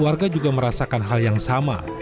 warga juga merasakan hal yang sama